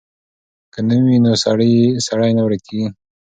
که نوم وي نو سړی نه ورکېږي.